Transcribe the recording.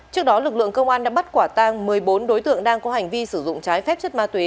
trước đó lực lượng công an đã bắt quả tang một mươi bốn đối tượng đang có hành vi sử dụng trái phép chất ma túy